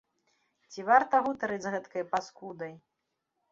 Ці варта гутарыць з гэткай паскудай?